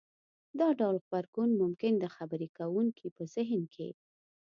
دا ډول غبرګون ممکن د خبرې کوونکي په زهن کې